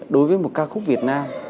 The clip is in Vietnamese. đối với một ca khúc việt nam